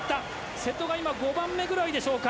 瀬戸が５番目くらいでしょうか。